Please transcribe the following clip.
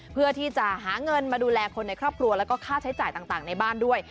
เพื่อที่จะหาเงินมาดูแลคนในครอบครัวแล้วก็ค่าใช้จ่ายต่างในบ้านด้วย